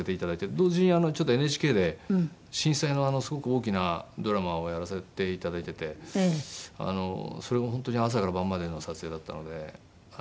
同時にＮＨＫで震災のすごく大きなドラマをやらせて頂いててそれが本当に朝から晩までの撮影だったので。